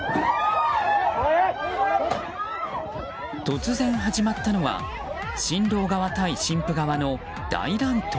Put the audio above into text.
突然、始まったのは新郎側対新婦側の大乱闘。